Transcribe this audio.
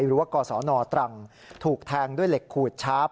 หรือว่าก่อสอนอตรังถูกแทงด้วยเหล็กขูดช้าป